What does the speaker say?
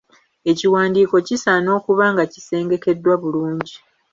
Ekiwandiiko kisaana okuba nga kisengekeddwa bulungi.